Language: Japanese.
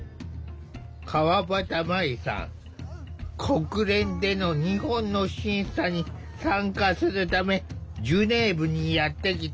国連での日本の審査に参加するためジュネーブにやって来た。